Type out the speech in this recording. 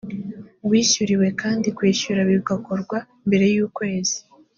wishyuriwe kandi kwishyura bigakorwa mbere y ukwezi